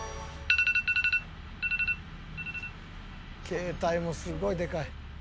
「携帯もすごいでかい」